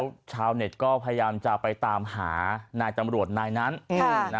แล้วชาวเน็ตก็พยายามจะไปตามหานายตำรวจนายนั้น